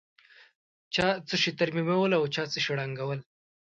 چا څه شي ترمیمول او چا څه شي ړنګول.